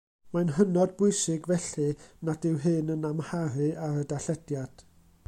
Mae'n hynod bwysig, felly, nad yw hyn yn amharu ar y darllediad.